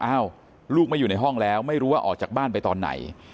อ้าวลูกไม่อยู่ในห้องแล้วไม่รู้ว่าออกจากบ้านไปตอนไหน